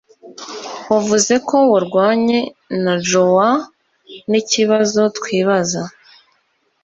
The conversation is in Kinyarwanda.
Wavuze ko warwanye na Joanikibazo twibaza